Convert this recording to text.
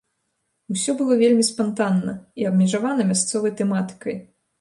Усё было вельмі спантанна і абмежавана мясцовай тэматыкай.